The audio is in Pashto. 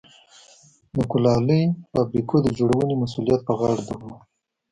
د کولالۍ فابریکو د جوړونې مسوولیت پر غاړه درلود.